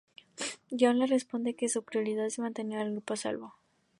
John le responde que su prioridad es mantener al grupo a salvo.